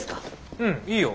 うんいいよ。